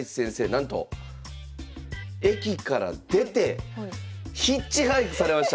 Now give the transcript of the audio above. なんと駅から出てヒッチハイクされました。